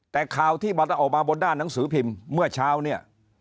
แต่ข่าวที่ออกมาบนด้านหนังสือพิมพ์เมื่อเช้าเนี่ย